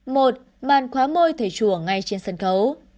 một màn khóa môi thầy chùa ngay trên sân khấu